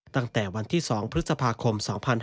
ตั้งแต่วันที่๒พฤษภาคม๒๕๕๙